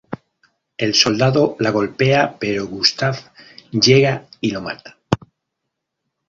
El soldado la golpea, pero Gustave llega y lo mata.